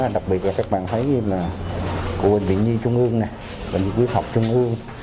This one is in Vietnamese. đặc biệt là các bạn thấy như là của bệnh viện nhi trung ương bệnh viện quy học trung ương